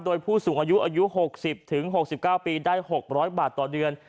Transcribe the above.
โดยผู้สูงอายุอายุหกสิบถึงหกสิบเก้าปีได้หกร้อยบาทต่อเดือน